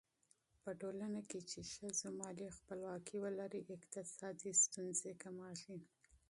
په ټولنه کې چې ښځو مالي خپلواکي ولري، اقتصادي ستونزې کمېږي.